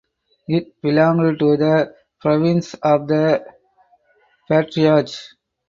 It belonged to the Province of the Patriarch.